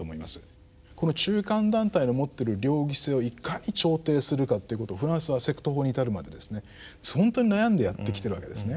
この中間団体の持ってる両義性をいかに調停するかっていうことをフランスはセクト法に至るまでですねほんとに悩んでやってきてるわけですね。